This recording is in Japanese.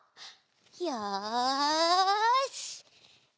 よし！